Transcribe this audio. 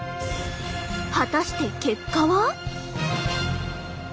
果たして結果は？